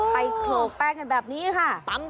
โขลกแป้งกันแบบนี้ค่ะ